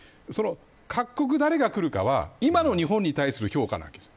各国、誰が来るかは今の日本に対する評価です。